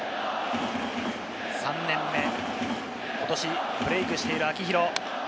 ３年目、ことしブレークしている秋広。